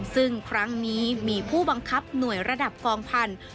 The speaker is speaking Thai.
ซึ่งครั้งนี้มีผู้บังคับหน่วยระดับกองพันธุ์